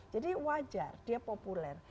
jadi wajar dia populer